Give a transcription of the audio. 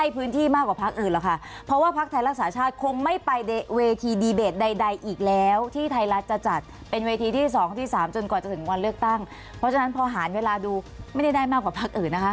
เพราะฉะนั้นพอหารเวลาดูไม่ได้ได้มากกว่าพักอื่นนะคะ